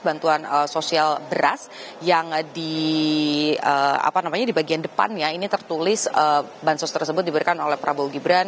bantuan sosial beras yang di bagian depannya ini tertulis bansos tersebut diberikan oleh prabowo gibran